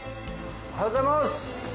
おはようございます。